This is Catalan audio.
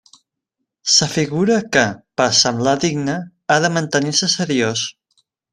S'afigura que, per a semblar digne, ha de mantenir-se seriós.